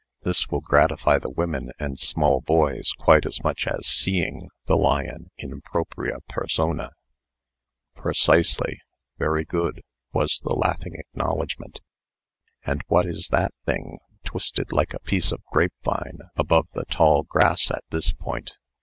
This will gratify the women and small boys quite as much as seeing the lion in propria persona." "Precisely. Very good," was the laughing acknowledgment. "And what is that thing, twisted like a piece of grapevine above the tall grass at this point?"